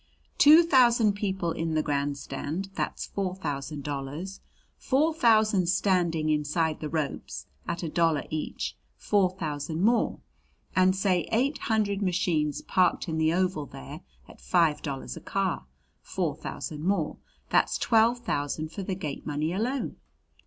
"Two thousand people in the grandstand that's four thousand dollars. Four thousand standing inside the ropes at a dollar each, four thousand more. And say eight hundred machines parked in the oval there at five dollars a car, four thousand more. That's twelve thousand for the gate money alone.